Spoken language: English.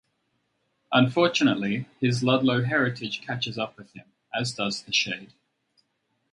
Unfortunately his Ludlow heritage catches up with him, as does the Shade.